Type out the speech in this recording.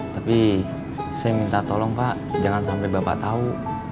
tapi saya minta tolong pak jangan sampai bapak tahu